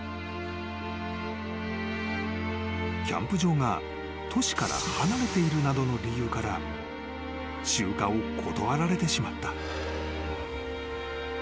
［キャンプ場が都市から離れているなどの理由から集荷を断られてしまった］